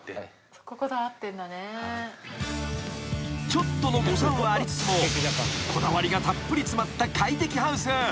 ［ちょっとの誤算はありつつもこだわりがたっぷり詰まった快適ハウス］